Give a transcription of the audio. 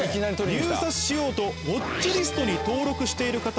入札しようとウォッチリストに登録している方